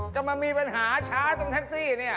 ก็มันมีปัญหาช้าตรงแท็กซี่นี่